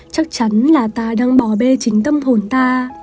chắc chắn là ta đang bỏ bê chính tâm hồn ta